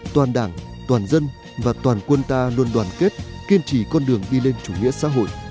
toàn đảng toàn dân và toàn quân ta luôn đoàn kết kiên trì con đường đi lên chủ nghĩa xã hội